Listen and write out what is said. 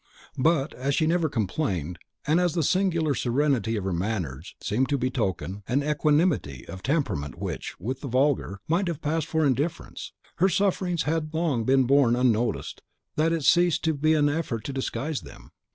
But as she never complained, and as the singular serenity of her manners seemed to betoken an equanimity of temperament which, with the vulgar, might have passed for indifference, her sufferings had so long been borne unnoticed that it ceased to be an effort to disguise them.